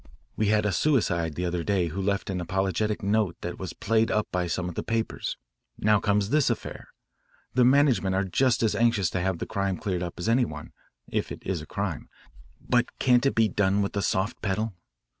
We had a suicide the other day who left an apologetic note that was played up by some of the papers. Now comes this affair. The management are just as anxious to have the crime cleared up as any one if it is a crime. But can't it be done with the soft pedal?